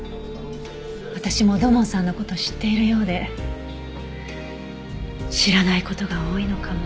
私も土門さんの事知っているようで知らない事が多いのかも。